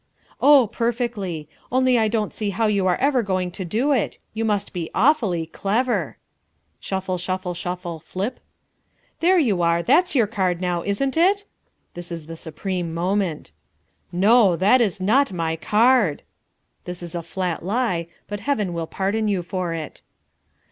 "Oh, perfectly. Only I don't see how you are ever going to do it. You must be awfully clever." (Shuffle, shuffle, shuffle flip.) "There you are; that's your card, now, isn't it?" (This is the supreme moment.) "NO. THAT IS NOT MY CARD." (This is a flat lie, but Heaven will pardon you for it.)